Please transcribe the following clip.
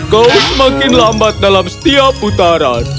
kau semakin lambat dalam setiap putaran